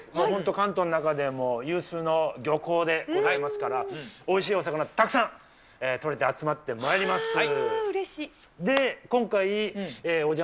本当関東の中でも、有数の漁港でございますから、おいしいお魚たくさん取れて、集まってまいります。